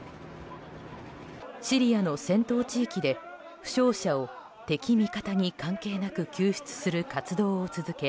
シリアの戦闘地域で負傷者を敵、味方に関係なく救出する活動を続け